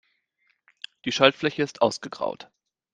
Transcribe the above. Die Schaltfläche ist ausgegraut.